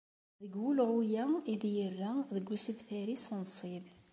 Deg wulɣu-a, i d-yerra deg usebter-is unṣib.